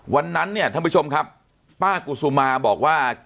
วันนั้นเนี่ยท่านผู้ชมครับป้ากุศุมาบอกว่า